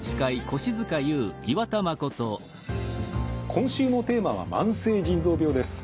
今週のテーマは「慢性腎臓病」です。